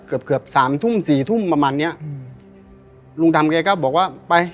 เกือบเกือบสามทุ่มสี่ทุ่มประมาณเนี้ยอืมลุงดำแกก็บอกว่าไป